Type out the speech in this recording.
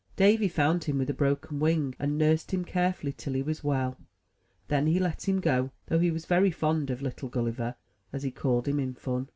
Davy found him, with a broken wing, and nursed him carefully till he was well; then let him go, though he was very fond of "Little Gulliver, *' as he called him in fun.